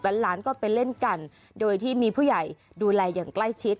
หลานก็ไปเล่นกันโดยที่มีผู้ใหญ่ดูแลอย่างใกล้ชิด